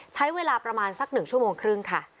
ใช้เวลาประมาณสัก๑ชั่วโมงครึ่งค่ะ